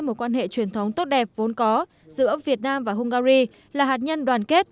một quan hệ truyền thống tốt đẹp vốn có giữa việt nam và hungary là hạt nhân đoàn kết